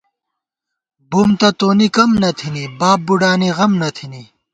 بُوم تہ تونی کم نہ تِھنی ، باب بُوڈانی غم نہ تھنی